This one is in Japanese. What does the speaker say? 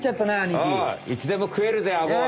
いつでもくえるぜアゴは。